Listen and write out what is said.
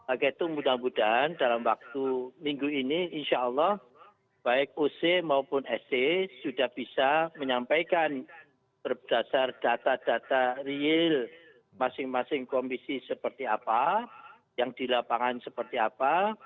agar itu mudah mudahan dalam waktu minggu ini insya allah baik uc maupun sc sudah bisa menyampaikan berdasar data data real masing masing komisi seperti apa yang di lapangan seperti apa